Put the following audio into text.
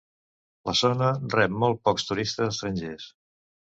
La zona rep molt pocs turistes estrangers.